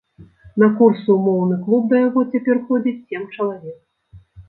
На курсы ў моўны клуб да яго цяпер ходзіць сем чалавек.